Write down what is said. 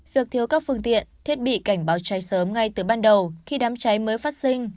việc thiếu các phương tiện thiết bị cảnh báo cháy sớm ngay từ ban đầu khi đám cháy mới phát sinh